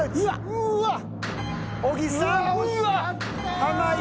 うわっ。